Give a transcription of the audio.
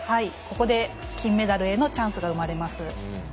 ここで金メダルへのチャンスが生まれます。